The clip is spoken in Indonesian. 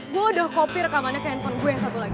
bo udah kopi rekamannya ke handphone gue yang satu lagi